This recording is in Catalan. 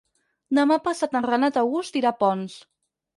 Demà passat en Renat August irà a Ponts.